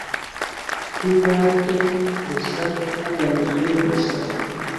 nk ingwate gusa hagamijwe gusa